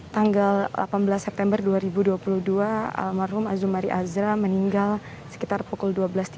tanggal delapan belas september dua ribu dua puluh dua almarhum azumari azra meninggal sekitar pukul dua belas tiga puluh